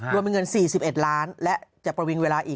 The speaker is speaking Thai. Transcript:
รวมเป็นเงิน๔๑ล้านและจะประวิงเวลาอีก